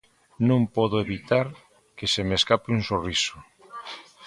Non podo evitar que se me escape un sorriso.